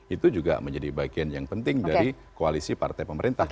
itu juga menjadi bagian yang penting dari koalisi partai pemerintah